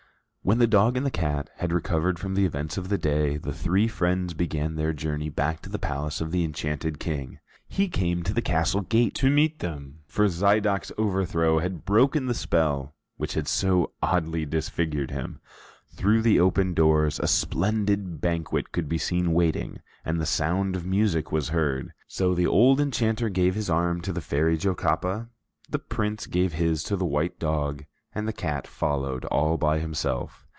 When the dog and the cat had recovered from the events of the day, the three friends began their journey back to the palace of the enchanted King. He came to the castle gate to meet them, for Zidoc's overthrow had broken the spell which had so oddly disfigured him. Through the open doors, a splendid banquet could be seen waiting, and the sound of music was heard. So the old enchanter gave his arm to the Fairy Jocapa, the Prince gave his to the white dog, and the cat followed all by himself.